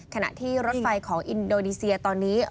ขณะที่รถไฟของอินโดนีเซียตอนนี้